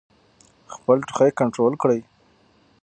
خپل ټوخی کنټرول کړئ.